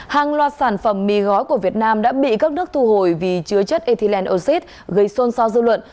hàng loạt sản phẩm mì gói của việt nam đã bị các nước thu hồi vì chứa chất etylenoxid gây xôn xao dư luận